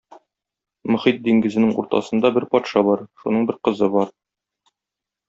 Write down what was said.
Мохит диңгезенең уртасында бер патша бар, шуның бер кызы бар.